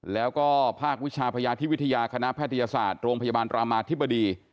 แล้วก็ภาควิชาพยาธิวิทยาคณะแพทยศาสตร์โรงพยาบาลรามาธิบดี